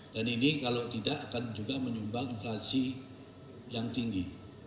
dan ini kalau tidak akan juga menyumbang inflasi yang tinggi